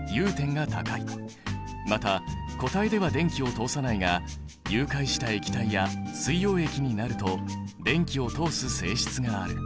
また固体では電気を通さないが融解した液体や水溶液になると電気を通す性質がある。